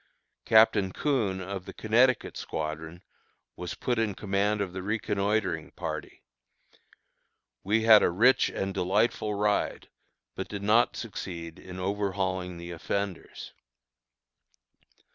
Captain Coon, of the Connecticut squadron, was put in command of the reconnoitring party. We had a rich and delightful ride, but did not succeed in overhauling the offenders.